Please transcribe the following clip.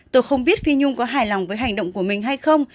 tôi không biết phi nhung có hài lòng với hành động của mình hay không